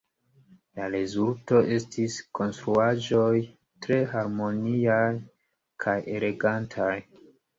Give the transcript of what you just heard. La rezulto estis konstruaĵoj tre harmoniaj kaj elegantaj.